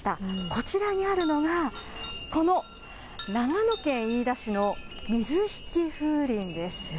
こちらにあるのが、この長野県飯田市の水引風鈴です。